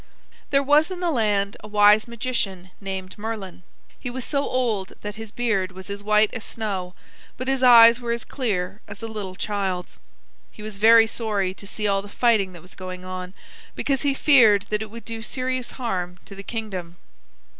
There was in the land a wise magician named Merlin. He was so old that his beard was as white as snow, but his eyes were as clear as a little child's. He was very sorry to see all the fighting that was going on, because he feared that it would do serious harm to the kingdom.